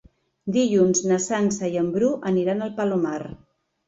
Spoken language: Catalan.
Dilluns na Sança i en Bru aniran al Palomar.